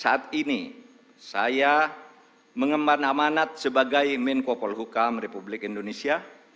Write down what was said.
saat ini saya mengemban amanat sebagai menko polhukam republik indonesia